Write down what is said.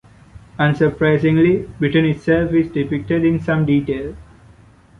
Unsurprisingly, Britain itself is depicted in some detail.